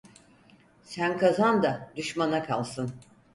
Sen kazan da düşmana kalsın.